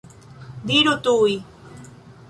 Diru tuj!